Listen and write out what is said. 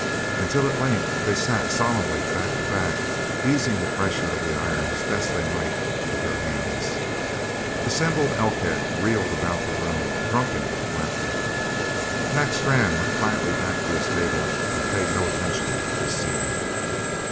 Until at length they sat solemnly, back to back, easing the pressure of the iron as best they might with their hands. Assembled Elkhead reeled about the room, drunken with laughter. But Mac Strann went quietly back to his table and paid no attention to the scene.